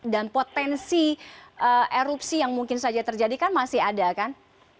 dan potensi erupsi yang mungkin saja terjadi kan masih ada kan